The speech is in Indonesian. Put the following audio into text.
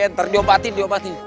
ntar diobatin diobatin